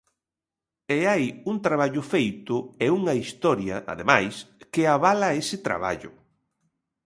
E hai un traballo feito e unha historia, ademais, que avala ese traballo.